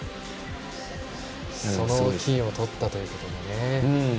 その金をとったということで。